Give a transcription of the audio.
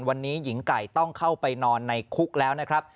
วันนี้หญิงไก่ต้องเข้าไปนอนในคุกแล้วนะครับ